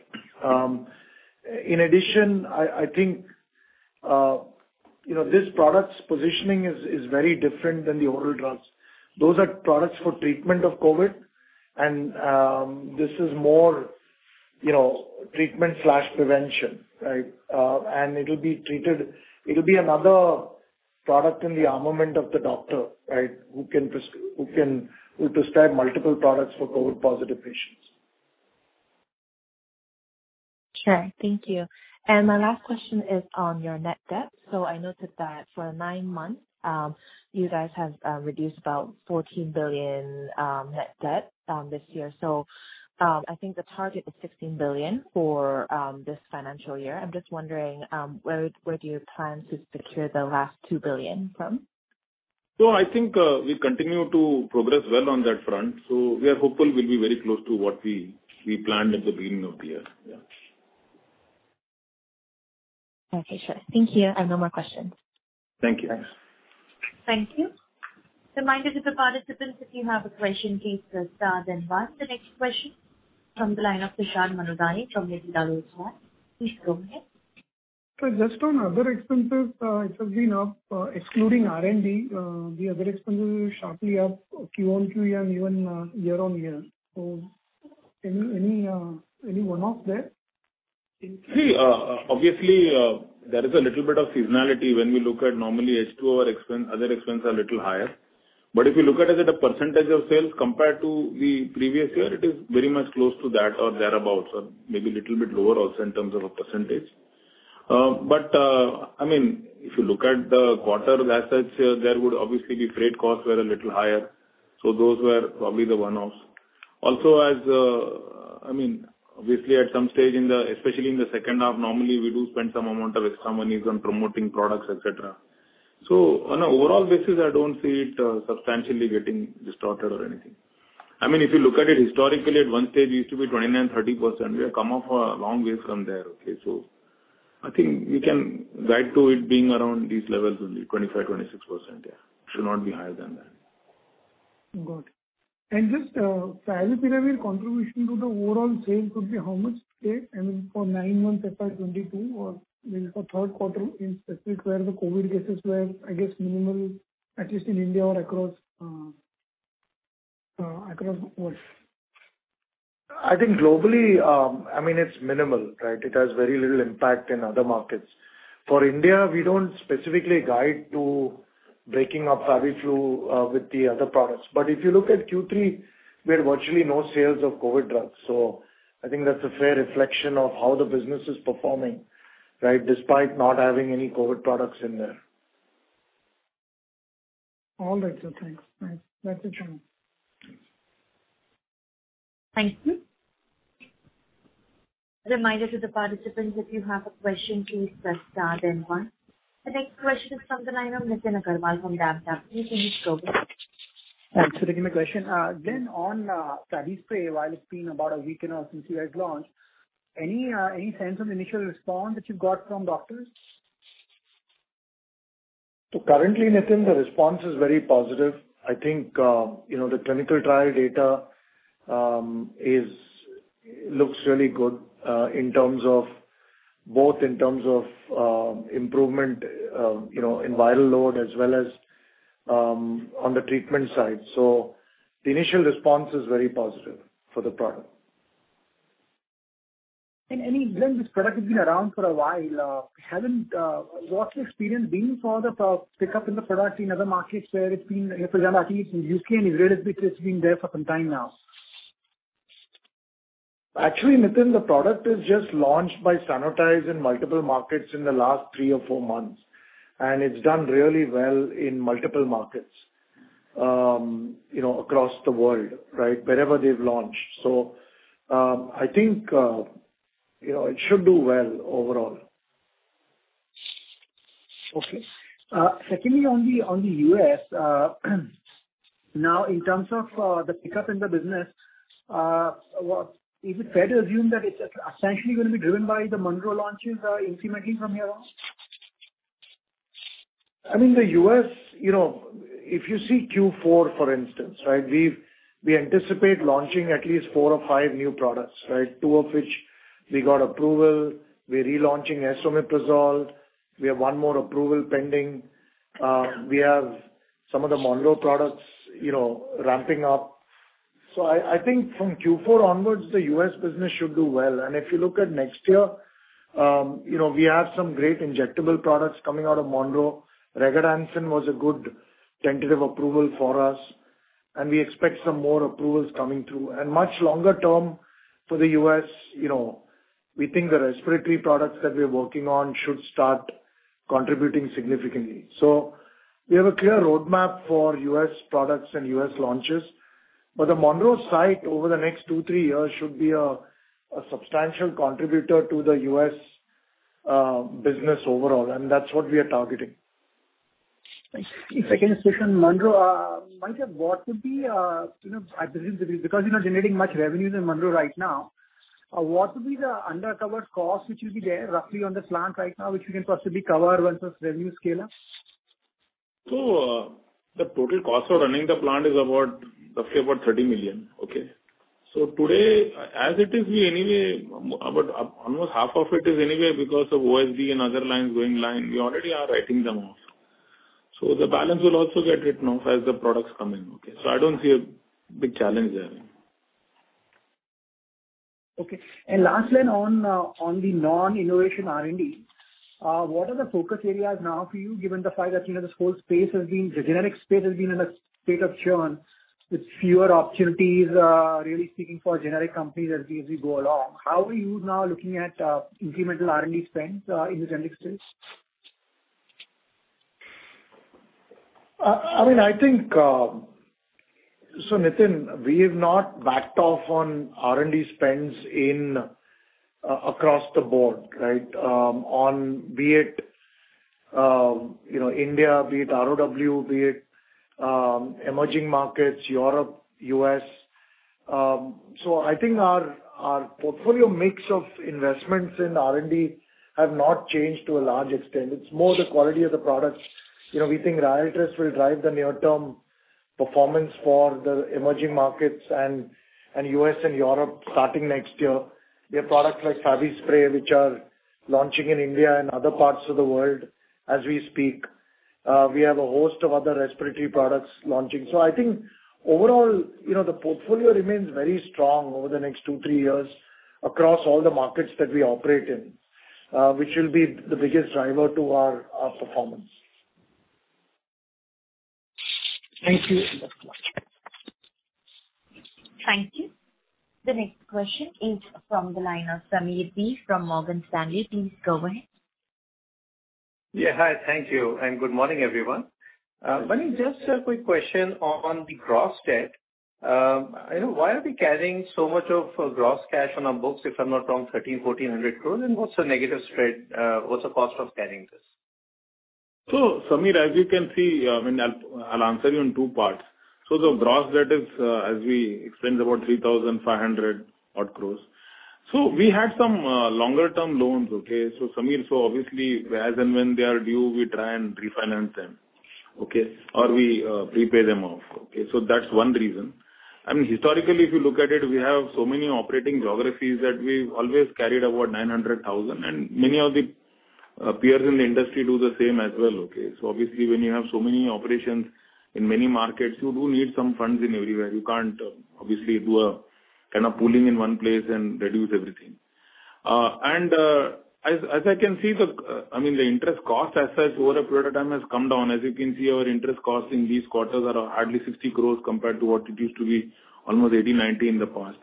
In addition, I think, you know, this product's positioning is very different than the oral drugs. Those are products for treatment of COVID and this is more, you know, treatment/prevention, right? It'll be another product in the armament of the doctor, right? Who can prescribe multiple products for COVID positive patients. Sure. Thank you. My last question is on your net debt. I noted that for nine months, you guys have reduced about 14 billion net debt this year. I think the target is 16 billion for this financial year. I'm just wondering, where do you plan to secure the last 2 billion from? I think we continue to progress well on that front, so we are hopeful we'll be very close to what we planned at the beginning of the year. Yeah. Okay. Sure. Thank you. I have no more questions. Thank you. Thank you. A reminder to the participants, if you have a question, please press star then one. The next question from the line of Tushar Manudhane from Edelweiss. Please go ahead. Just on other expenses, it has been up, excluding R&D. The other expenses are sharply up Q-on-Q and even year-on-year. Any one-off there? See, obviously, there is a little bit of seasonality when we look at normally H2 our expense, other expense are a little higher. If you look at it as a percentage of sales compared to the previous year, it is very much close to that or thereabout, so maybe a little bit lower also in terms of a percentage. I mean, if you look at the quarter as such, there would obviously the freight costs were a little higher, so those were probably the one-offs. Also as, I mean, obviously at some stage in the, especially in the second half, normally we do spend some amount of extra monies on promoting products, et cetera. So on an overall basis, I don't see it substantially getting distorted or anything. I mean, if you look at it historically, at one stage it used to be 29%-30%. We have come up a long way from there. Okay. I think you can guide to it being around these levels, only 25%-26%. Yeah. Should not be higher than that. Got it. Just favipiravir contribution to the overall sales would be how much, say, I mean, for nine months FY 2022 or maybe for third quarter in specific, where the COVID cases were, I guess, minimal, at least in India or across the world? I think globally, I mean, it's minimal, right? It has very little impact in other markets. For India, we don't specifically guide to breaking up FabiFlu with the other products. If you look at Q3, we had virtually no sales of COVID drugs. I think that's a fair reflection of how the business is performing, right? Despite not having any COVID products in there. All right. Thanks. That's a journal. Thank you. A reminder to the participants, if you have a question, please press star then one. The next question is from the line of Nitin Agarwal from DAM Capital. Please you may go ahead. Thanks for taking my question. On FabiSpray, while it's been about a week now since you guys launched, any sense on the initial response that you've got from doctors? Currently, Nitin, the response is very positive. I think, you know, the clinical trial data looks really good in terms of both improvement, you know, in viral load as well as on the treatment side. The initial response is very positive for the product. Anyway, given this product has been around for a while, what's the experience been for the pickup in the product in other markets where it's been, for example, I think in U.K. and Israel, it's been there for some time now? Actually, Nitin, the product is just launched by SaNOtize in multiple markets in the last three or four months, and it's done really well in multiple markets, you know, across the world, right? Wherever they've launched. I think, you know, it should do well overall. Okay. Secondly, on the U.S., now in terms of the pickup in the business, what is it fair to assume that it's essentially gonna be driven by the Monroe launches, increasingly from here on? I mean, the U.S., you know, if you see Q4 for instance, right, we anticipate launching at least four or five new products, right? Two of which we got approval. We're relaunching esomeprazole. We have one more approval pending. We have some of the Monroe products, you know, ramping up. I think from Q4 onwards, the U.S. business should do well. If you look at next year, you know, we have some great injectable products coming out of Monroe. Regadenoson was a good tentative approval for us, and we expect some more approvals coming through. Much longer term for the U.S., you know, we think the respiratory products that we're working on should start contributing significantly. We have a clear roadmap for U.S. products and U.S. launches. The Monroe site over the next two to three years should be a substantial contributor to the U.S. business overall, and that's what we are targeting. Thank you. Second question, Monroe. V.S. Mani, what would be, you know, I believe because you're not generating much revenues in Monroe right now, what would be the uncovered cost which will be there roughly on the plant right now, which you can possibly cover once this revenue scale up? The total cost of running the plant is about, roughly about 30 million, okay? Today, as it is, we anyway, about almost half of it is anyway because of OSD and other lines going online, we already are writing them off. The balance will also get written off as the products come in. Okay. I don't see a big challenge there. Okay. Last one on the non-innovation R&D. What are the focus areas now for you, given the fact that, you know, this whole space has been, the generic space has been in a state of churn with fewer opportunities, really speaking for generic companies as we go along. How are you now looking at incremental R&D spends in this industry? I mean, I think, Nitin, we have not backed off on R&D spends across the board, right? On be it you know India, be it ROW, be it emerging markets, Europe, U.S. I think our portfolio mix of investments in R&D have not changed to a large extent. It's more the quality of the products. You know, we think RYALTRIS will drive the near term performance for the emerging markets and U.S. and Europe starting next year. We have products like FabiSpray, which are launching in India and other parts of the world as we speak. We have a host of other respiratory products launching. I think overall, you know, the portfolio remains very strong over the next two to three years across all the markets that we operate in, which will be the biggest driver to our performance. Thank you. Thank you. The next question is from the line of Sameer B. from Morgan Stanley. Please go ahead. Yeah. Hi. Thank you. Good morning, everyone. V.S. Mani, just a quick question on the gross debt. You know, why are we carrying so much gross cash on our books, if I'm not wrong, 1,300-1,400 crore, and what's the negative spread, what's the cost of carrying this? Sameer, as you can see, I mean, I'll answer you in two parts. The gross debt is, as we explained, about 3,500 crore. We had some longer term loans, okay? Sameer, so obviously, as and when they are due, we try and refinance them, okay? Or we prepay them off, okay? That's one reason. I mean, historically, if you look at it, we have so many operating geographies that we've always carried about 900,000, and many of the peers in the industry do the same as well, okay? Obviously, when you have so many operations in many markets, you do need some funds everywhere. You can't obviously do a kind of pooling in one place and reduce everything. As I can see, I mean, the interest cost as such over a period of time has come down. As you can see, our interest costs in these quarters are hardly 60 crore compared to what it used to be, almost 80 crore, 90 crore in the past.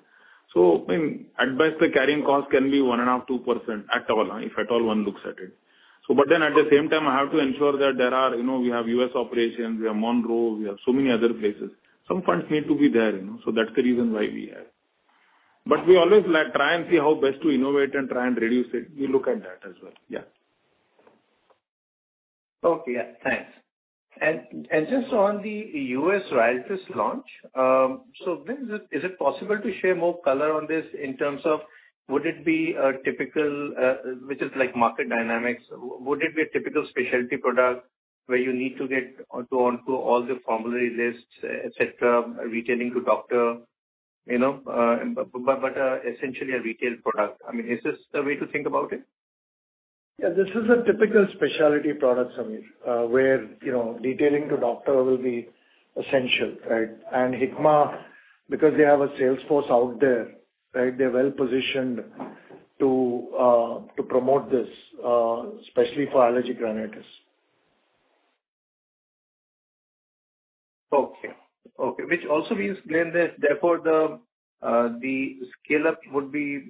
I mean, at best, the carrying cost can be 1.5%-2% at Tawa, if at all one looks at it. But then at the same time, I have to ensure that there are, you know, we have U.S. operations, we have Monroe, we have so many other places. Some funds need to be there, you know. That's the reason why we have. But we always like try and see how best to innovate and try and reduce it. We look at that as well. Yeah. Okay. Yeah. Thanks. Just on the U.S. RYALTRIS launch, so when is it? Is it possible to share more color on this in terms of would it be a typical, which is like market dynamics? Would it be a typical specialty product where you need to get onto all the formulary lists, et cetera, retailing to doctor, you know, but essentially a retail product? I mean, is this the way to think about it? Yeah, this is a typical specialty product, Sameer, where, you know, detailing to doctor will be essential, right? Hikma, because they have a sales force out there, right, they're well positioned to promote this, especially for allergists/ENTs. Which also means then that therefore the scale-up would be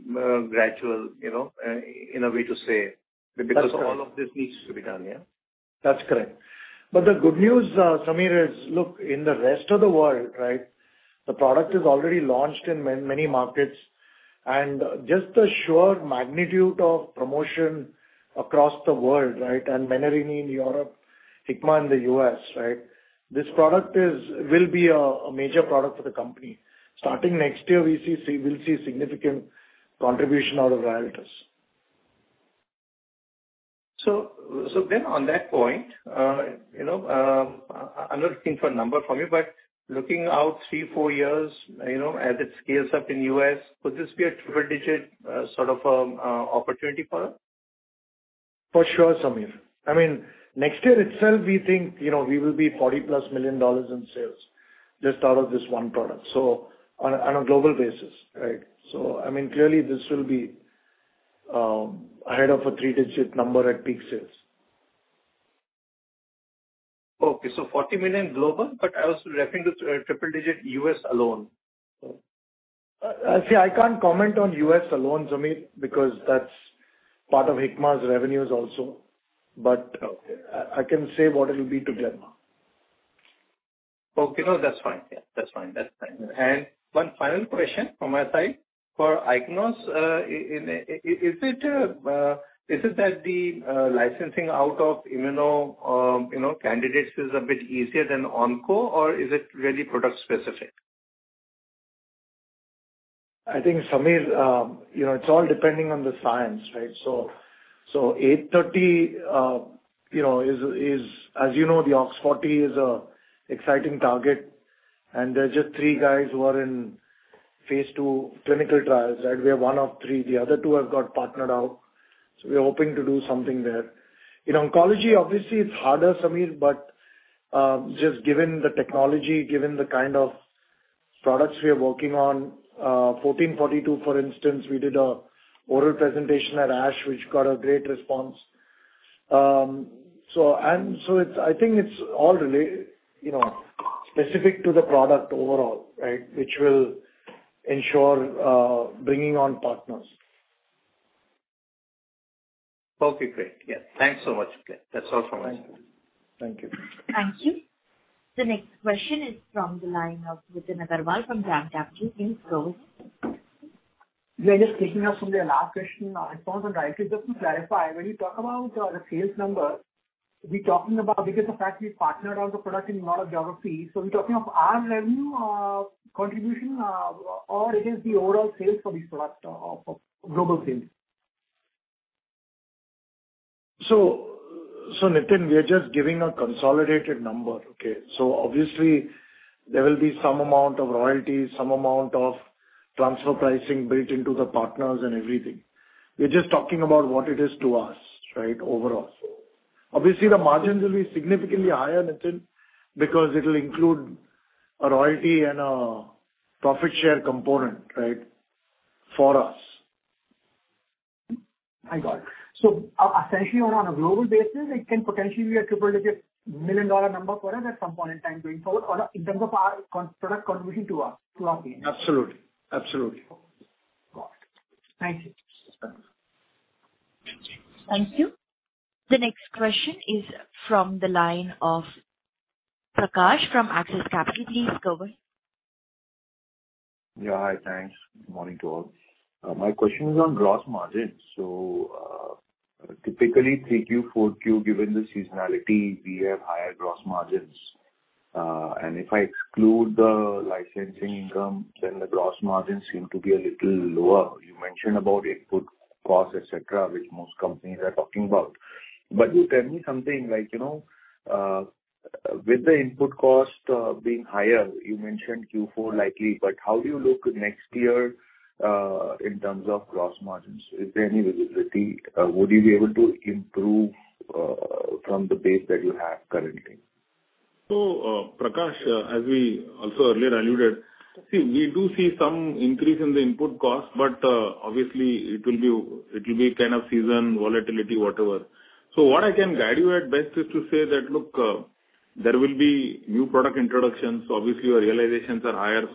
gradual, you know, in a way to say. That's correct. Because all of this needs to be done, yeah? That's correct. The good news, Sameer, is look, in the rest of the world, right, the product is already launched in many markets, and just the sheer magnitude of promotion across the world, right, and Menarini in Europe, Hikma in the U.S., right. This product will be a major product for the company. Starting next year, we'll see significant contribution out of RYALTRIS. on that point, you know, I'm not looking for a number from you, but looking out three-four years, you know, as it scales up in U.S., could this be a triple-digit sort of opportunity for us? For sure, Sameer. I mean, next year itself, we think, you know, we will be $40+ million in sales just out of this one product, so on a global basis, right? I mean, clearly this will be ahead of a three-digit number at peak sales. Okay, 40 million global, but I was referring to triple-digit U.S. alone. I can't comment on U.S. alone, Sameer, because that's part of Hikma's revenues also. Okay. I can say what it'll be to Glenmark. Okay. No, that's fine. Yeah, that's fine. That's fine. One final question from my side. For Ichnos, is it that the licensing out of immuno, you know, candidates is a bit easier than onco or is it really product specific? I think, Sameer, you know, it's all depending on the science, right? Eight-thirty, you know, is. As you know, the OX40 is an exciting target, and there's just three guys who are in phase II clinical trials, right? We are one of three. The other two have got partnered out. We are hoping to do something there. In oncology, obviously it's harder, Sameer, but just given the technology, given the kind of products we are working on, 1442, for instance, we did an oral presentation at ASH, which got a great response. It's, I think it's all related, you know, specific to the product overall, right? Which will ensure bringing on partners. Okay, great. Yeah. Thanks so much. That's all from my side. Thank you. Thank you. The next question is from the line of Nitin Agarwal from DAM Capital. Please go ahead. We are just picking up from the last question on response on right. Just to clarify, when you talk about the sales numbers, we talking about because the fact we partnered on the product in lot of geographies, so we're talking of our revenue contribution, or it is the overall sales for this product of global sales? Nitin, we are just giving a consolidated number, okay? Obviously there will be some amount of royalties, some amount of transfer pricing built into the partners and everything. We're just talking about what it is to us, right? Overall. Obviously, the margins will be significantly higher, Nitin, because it'll include a royalty and a profit share component, right? For us. I got it. Essentially on a global basis, it can potentially be a triple-digit dollar million number for us at some point in time going forward or in terms of our consumer product contribution to us, to our business. Absolutely. Okay. Got it. Thank you. Thank you. The next question is from the line of Prakash from Axis Capital. Please go ahead. Yeah. Hi. Thanks. Good morning to all. My question is on gross margins. Typically 3Q, 4Q, given the seasonality, we have higher gross margins. If I exclude the licensing income, then the gross margins seem to be a little lower. You mentioned about input costs, et cetera, which most companies are talking about. You tell me something like, you know, with the input cost being higher, you mentioned Q4 likely, but how do you look next year in terms of gross margins? Is there any visibility? Would you be able to improve from the base that you have currently? Prakash, as we also earlier alluded, see, we do see some increase in the input cost, but obviously it will be kind of season volatility, whatever. What I can guide you at best is to say that, look, there will be new product introductions. Obviously your realizations are higher.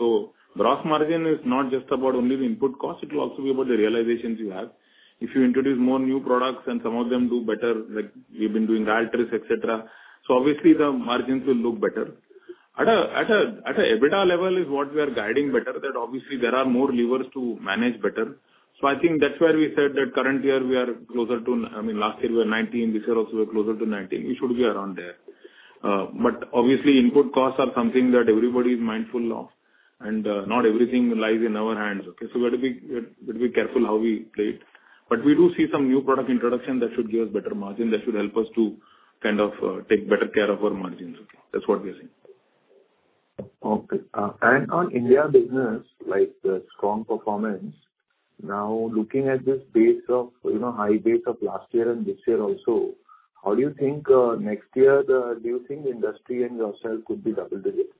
Gross margin is not just about only the input cost, it will also be about the realizations you have. If you introduce more new products and some of them do better, like we've been doing RYALTRIS, et cetera, obviously the margins will look better. At an EBITDA level is what we are guiding better, that obviously there are more levers to manage better. I think that's where we said that current year we are closer to... I mean, last year we were 19%, this year also we're closer to 19%. We should be around there. But obviously input costs are something that everybody is mindful of, and not everything lies in our hands, okay? We have to be careful how we play it. But we do see some new product introduction that should give us better margin, that should help us to kind of take better care of our margins, okay? That's what we are seeing. Okay. On India business, like the strong performance, now looking at this base of, you know, high base of last year and this year also, how do you think next year? Do you think industry and yourself could be double digits?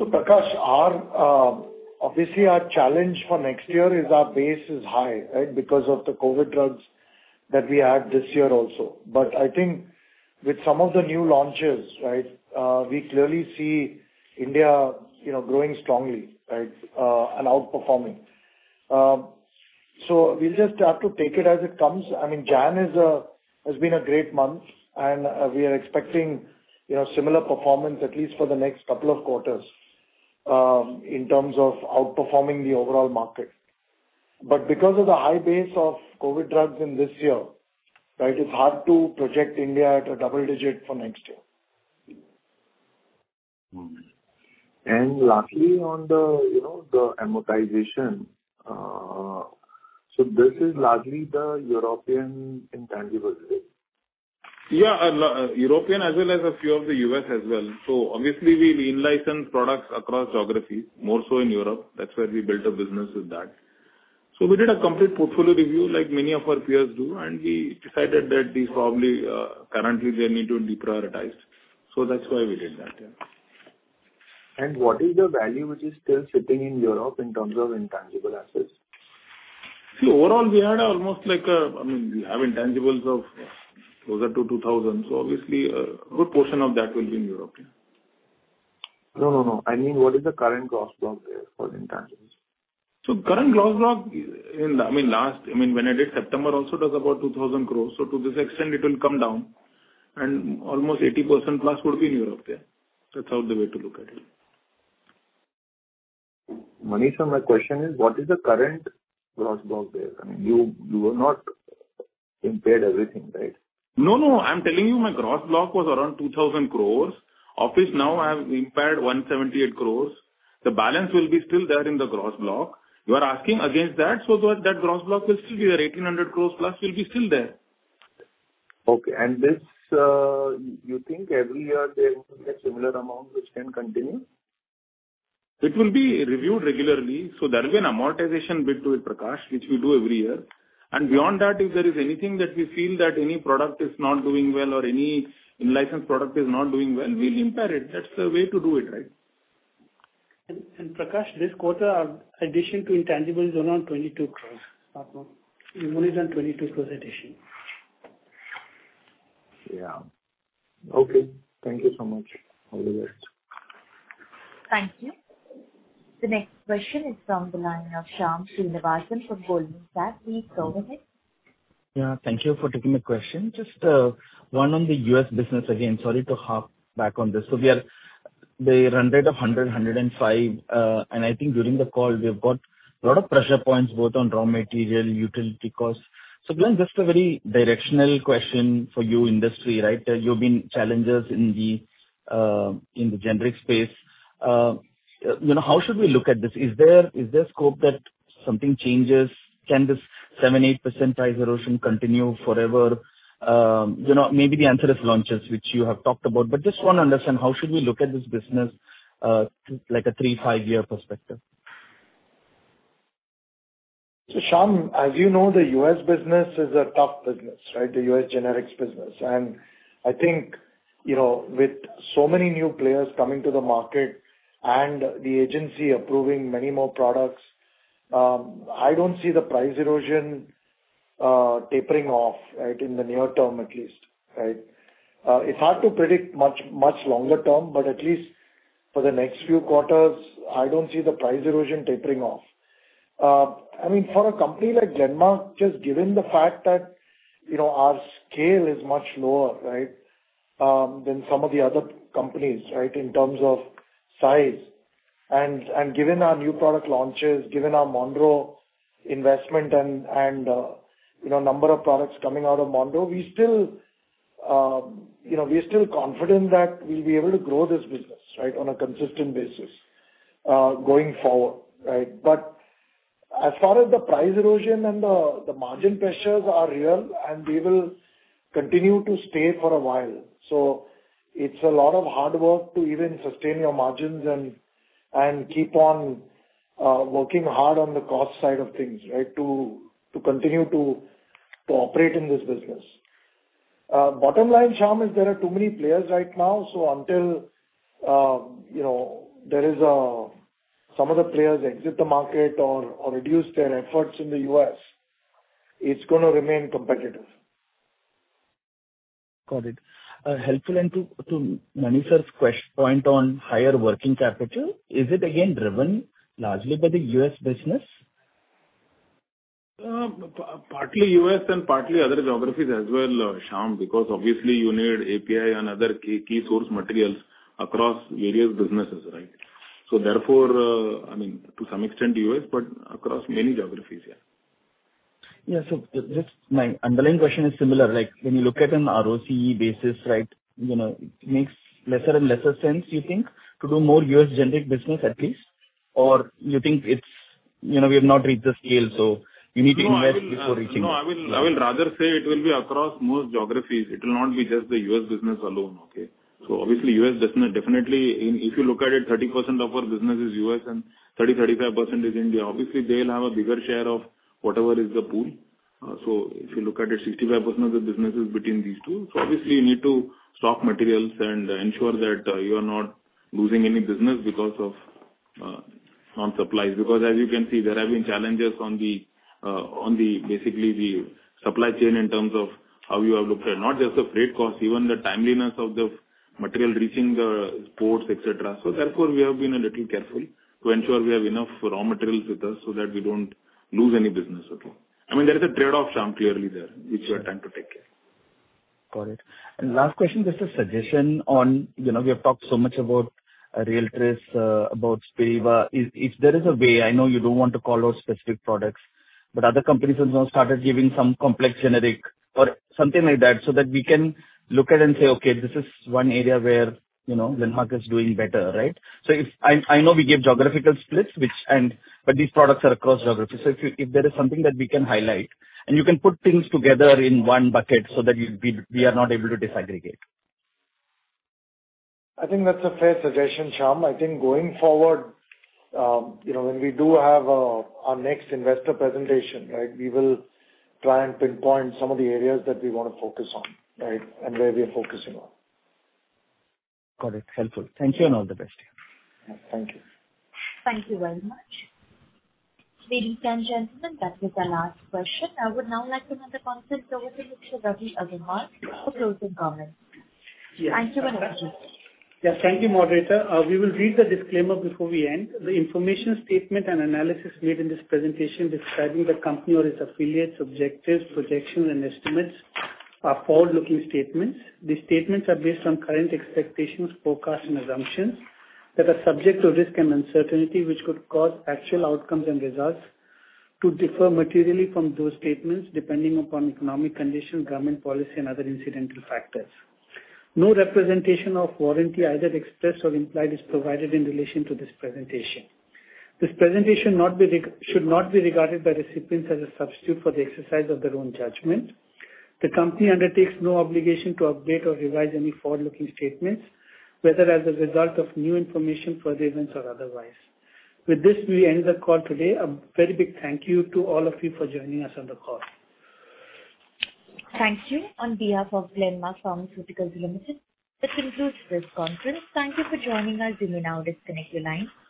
Prakash, obviously our challenge for next year is our base high, right? Because of the COVID drugs that we had this year also. I think with some of the new launches, right, we clearly see India, you know, growing strongly, right, and outperforming. We'll just have to take it as it comes. I mean, January has been a great month, and we are expecting, you know, similar performance at least for the next couple of quarters in terms of outperforming the overall market. Because of the high base of COVID drugs in this year, right, it's hard to project India at a double digit for next year. Lastly, on the, you know, the amortization, this is largely the European intangibles, right? Yeah. European as well as a few of the U.S. as well. Obviously we've in-licensed products across geographies, more so in Europe. That's where we built a business with that. We did a complete portfolio review like many of our peers do, and we decided that these probably currently they need to be prioritized. That's why we did that, yeah. What is the value which is still sitting in Europe in terms of intangible assets? See, overall we had almost like, I mean, we have intangibles of closer to 2,000. Obviously a good portion of that will be in Europe, yeah. No, no. I mean, what is the current gross block there for intangibles? Current gross block, I mean, when I did September also it was about 2,000 crore. To this extent it will come down and almost 80%+ would be in Europe, yeah. That's the way to look at it. V.S. Mani, my question is what is the current gross block there? I mean, you have not impaired everything, right? No, no. I'm telling you my gross block was around 2,000 crore. Of which now I have impaired 178 crore. The balance will be still there in the gross block. You are asking against that. That gross block will still be there, 1,800+ crore will be still there. Okay. This, you think every year there will be a similar amount which can continue? It will be reviewed regularly, so there will be an amortization bit to it, Prakash, which we do every year. Beyond that, if there is anything that we feel that any product is not doing well or any in-licensed product is not doing well, we'll impair it. That's the way to do it, right? Prakash, this quarter our addition to intangibles is around 22 crore. It's more than 22 crore addition. Yeah. Okay. Thank you so much. All the best. Thank you. The next question is from the line of Shyam Srinivasan from Goldman Sachs. Please go ahead. Thank you for taking the question. Just one on the U.S. business again. Sorry to harp back on this. The run rate of $105, and I think during the call we've got a lot of pressure points both on raw material, utility costs. So Glen, just a very directional question for your industry, right? There's been challenges in the generic space. You know, how should we look at this? Is there scope that something changes? Can this 7%-8% price erosion continue forever? You know, maybe the answer is launches, which you have talked about. But just want to understand how should we look at this business, like a three to five-year perspective. Shyam, as you know, the U.S. business is a tough business, right? The U.S. generics business. I think, you know, with so many new players coming to the market and the agency approving many more products, I don't see the price erosion tapering off, right? In the near term at least, right? It's hard to predict much longer term, but at least for the next few quarters, I don't see the price erosion tapering off. I mean, for a company like Glenmark, just given the fact that, you know, our scale is much lower, right, than some of the other companies, right, in terms of size. Given our new product launches and our Monroe investment and you know number of products coming out of Monroe, we still you know we are still confident that we'll be able to grow this business, right, on a consistent basis going forward, right? As far as the price erosion and the margin pressures are real, and they will continue to stay for a while. It's a lot of hard work to even sustain your margins and keep on working hard on the cost side of things, right, to continue to operate in this business. Bottom line, Shyam, is there are too many players right now. Until you know some of the players exit the market or reduce their efforts in the U.S., it's gonna remain competitive. Got it. Helpful. To Mani's point on higher working capital, is it again driven largely by the U.S. business? Partly U.S. and partly other geographies as well, Shyam, because obviously you need API and other key source materials across various businesses, right? I mean, to some extent U.S., but across many geographies, yeah. Yeah. Just my underlying question is similar. Like when you look at an ROCE basis, right, you know, it makes lesser and lesser sense you think to do more U.S. generic business at least? You think it's, you know, we have not reached the scale, so you need to invest before reaching- I will rather say it will be across most geographies. It will not be just the U.S. business alone, okay. Obviously U.S. business definitely. If you look at it, 30% of our business is U.S. and 35% is India. Obviously they'll have a bigger share of whatever is the pool. If you look at it, 65% of the business is between these two. Obviously you need to stock materials and ensure that you are not losing any business because of supply. Because as you can see, there have been challenges on the supply chain in terms of how you have looked at not just the freight costs, even the timeliness of the material reaching the ports, et cetera. We have been a little careful to ensure we have enough raw materials with us so that we don't lose any business at all. I mean, there is a trade-off, Shyam, clearly there, which we are trying to take care. Got it. Last question, just a suggestion on, you know, we have talked so much about RYALTRIS, about Spiriva. If there is a way, I know you don't want to call out specific products. But other companies have now started giving some complex generic or something like that, so that we can look at it and say, "Okay, this is one area where, you know, Glenmark is doing better." Right? I know we give geographical splits but these products are across geographies. If there is something that we can highlight, and you can put things together in one bucket so that we are not able to disaggregate. I think that's a fair suggestion, Shyam. I think going forward, you know, when we do have our next investor presentation, right, we will try and pinpoint some of the areas that we wanna focus on, right, and where we are focusing on. Got it. Helpful. Thank you and all the best. Thank you. Thank you very much. Ladies and gentlemen, that was our last question. I would now like to hand the conference over to Mr. Ravi Agrawal for closing comments. Yes. Thank you and have a good day. Yes. Thank you, moderator. We will read the disclaimer before we end. The information, statement, and analysis made in this presentation describing the company or its affiliates, objectives, projections, and estimates are forward-looking statements. These statements are based on current expectations, forecasts, and assumptions that are subject to risk and uncertainty, which could cause actual outcomes and results to differ materially from those statements, depending upon economic conditions, government policy, and other incidental factors. No representation or warranty, either expressed or implied, is provided in relation to this presentation. This presentation should not be regarded by recipients as a substitute for the exercise of their own judgment. The company undertakes no obligation to update or revise any forward-looking statements, whether as a result of new information, further events, or otherwise. With this, we end the call today. A very big thank you to all of you for joining us on the call. Thank you. On behalf of Glenmark Pharmaceuticals Limited, this concludes this conference. Thank you for joining us. You may now disconnect your line.